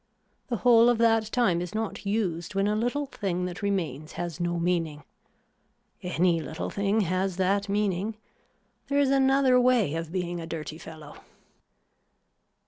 The whole of that time is not used when a little thing that remains has no meaning. Any little thing has that meaning. There is another way of being a dirty fellow.